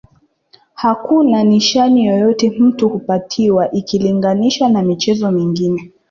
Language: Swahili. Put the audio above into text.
Hakuna nishani yoyote mtu hupatiwa ikilinganishwa na michezo mingine